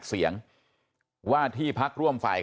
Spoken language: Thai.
ดูเสียงในซีก๓๑๒เสียง